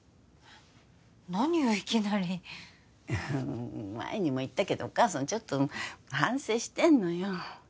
何よいきなり前にも言ったけどお母さんちょっと反省してんのよ